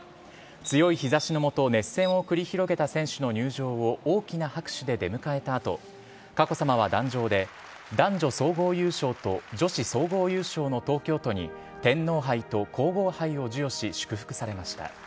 強い日ざしのもと、熱戦を繰り広げた選手の入場を大きな拍手で出迎えたあと、佳子さまは壇上で、男女総合優勝と女子総合優勝の東京都に、天皇杯と皇后杯を授与し、祝福されました。